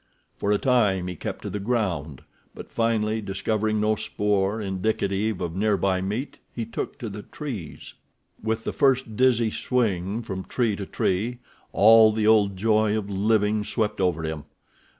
For a time he kept to the ground, but finally, discovering no spoor indicative of nearby meat, he took to the trees. With the first dizzy swing from tree to tree all the old joy of living swept over him.